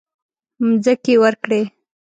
مځکې ورکړې.